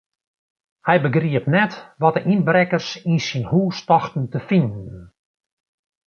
Hy begriep net wat de ynbrekkers yn syn hús tochten te finen.